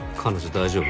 大丈夫？